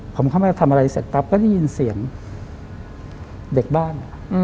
ผมเข้ามาทำอะไรเสร็จปั๊บก็ได้ยินเสียงเด็กบ้าน